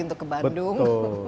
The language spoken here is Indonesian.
untuk ke bandung